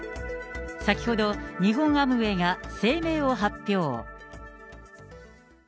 先ほど、日本アムウェイが声明を発表。